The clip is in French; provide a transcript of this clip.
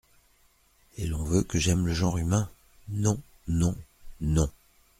Et l’on veut que j’aime le genre humain… non ! non !… non !…